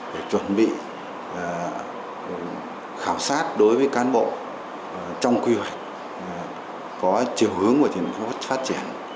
để chuẩn bị khảo sát đối với cán bộ trong quy hoạch có chiều hướng phát triển